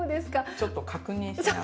ちょっと確認しながら。